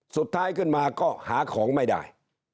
สุดท้ายขึ้นมาก็หาของไม่ได้